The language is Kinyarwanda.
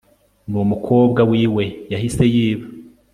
numukobwa wiwe yahise yiba